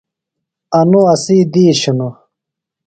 انُوۡ اسی دِیش ہِنوۡ۔